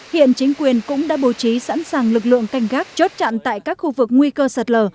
hiện chính quyền cũng đã bố trí sẵn sàng lực lượng canh gác chốt chặn tại các khu vực nguy cơ sạt lở